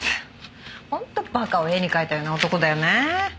本当馬鹿を絵に描いたような男だよね。